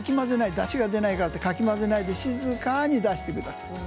だしが出ないからといってかき混ぜないで静かに出してください。